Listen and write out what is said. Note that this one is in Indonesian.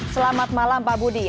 selamat malam pak budi